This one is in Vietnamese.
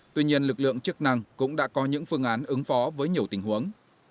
tuy nhiên lực lượng chức năng cũng đã có những phương án ứng phó với nhiều tình huống